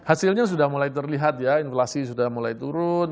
hasilnya sudah mulai terlihat ya inflasi sudah mulai turun